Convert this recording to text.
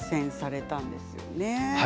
そうです。